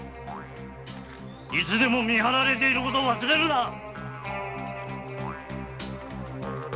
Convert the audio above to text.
いつでも見張られていることを忘れるな！